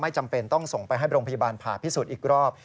จำเป็นต้องส่งไปให้โรงพยาบาลผ่าพิสูจน์อีกรอบ